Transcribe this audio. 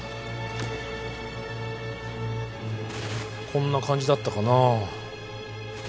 こんな感じだったかなぁ。